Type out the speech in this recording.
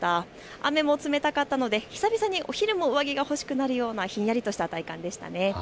雨も冷たかったので久々にお昼も上着が欲しくなるようなひんやりとした体感でしたね。